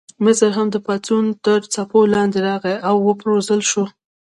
مصر هم د پاڅون تر څپو لاندې راغی او وپرځول شو.